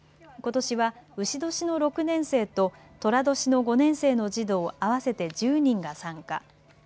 ことしはうし年の６年生ととら年の５年生の児童合わせて１０人が参加。